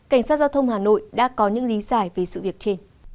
cảnh sát giao thông hà nội đã có những lý giải về sự việc trên